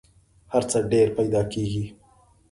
هر څه ډېر پیدا کېږي .